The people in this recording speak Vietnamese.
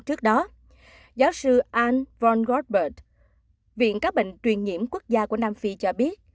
trước đó giáo sư anne von goldberg viện các bệnh truyền nhiễm quốc gia của nam phi cho biết